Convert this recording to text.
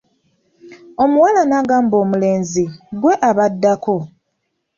Omuwala n'agamba omulenzi, gwe ab'addako.